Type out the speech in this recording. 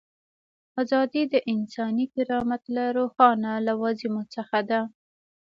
ازادي د انساني کرامت له روښانه لوازمو څخه ده.